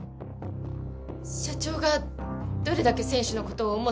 社長がどれだけ選手の事を思っていたか。